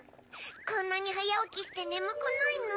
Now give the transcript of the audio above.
こんなにはやおきしてねむくないの？